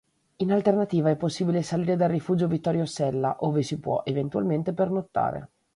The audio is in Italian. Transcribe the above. In alternativa, è possibile salire dal Rifugio Vittorio Sella, ove si può eventualmente pernottare.